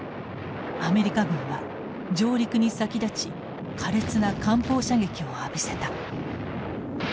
アメリカ軍は上陸に先立ち苛烈な艦砲射撃を浴びせた。